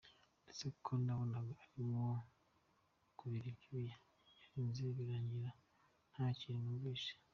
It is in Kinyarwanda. Uretse ko nabonaga arimo kubira ibyunzwe byarinze birangira nta kintu numvise.